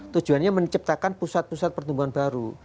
tujuannya menciptakan pusat pusat pertumbuhan baru